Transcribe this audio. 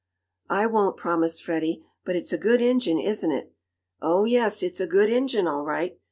"I won't," promised Freddie. "But it's a good engine, isn't it?" "Oh, yes, it's a good engine, all right."